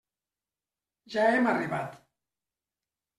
Ja hem arribat.